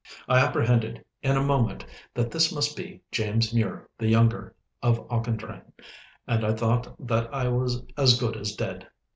I apprehended in a moment that this must be James Mure the younger of Auchendrayne, and I thought that I was as good as dead.